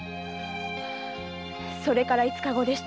それから五日後でした。